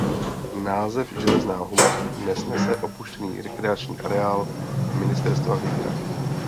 Název Železná Huť dnes nese opuštěný rekreační areál ministerstva vnitra.